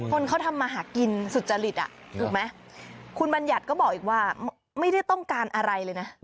คนเขาทำมาหากินสุจริตถูกไหมคุณบัญญัติก็บอกอีกว่าไม่ได้ต้องการอะไรเลยนะ